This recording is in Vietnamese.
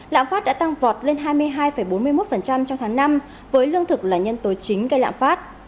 lạm phát đã tăng vọt lên hai mươi hai bốn mươi một trong tháng năm với lương thực là nhân tố chính gây lãng phát